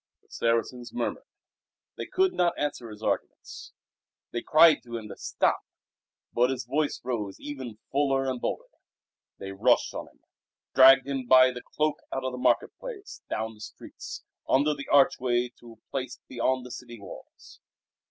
The Saracens murmured. They could not answer his arguments. They cried to him to stop, but his voice rose ever fuller and bolder. They rushed on him, dragged him by the cloak out of the market place, down the streets, under the archway to a place beyond the city walls.